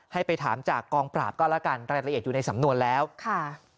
ให้ไปถามจากกองปราบก็แล้วกันรายละเอียดอยู่ในสำนวนแล้วค่ะ